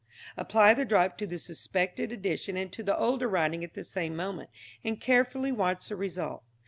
Apply the drop to the suspected addition and to the older writing at the same moment, and carefully watch the result.